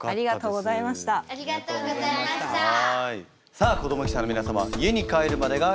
さあ子ども記者の皆様家に帰るまでが記者会見です。